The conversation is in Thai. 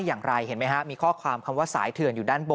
หลังจากพบศพผู้หญิงปริศนาตายตรงนี้ครับ